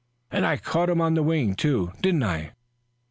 "And I caught him on the wing, too, didn't I?"